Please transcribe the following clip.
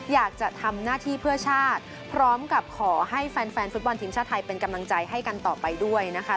อยากจะทำหน้าที่เพื่อชาติพร้อมกับขอให้แฟนฟุตบอลทีมชาติไทยเป็นกำลังใจให้กันต่อไปด้วยนะคะ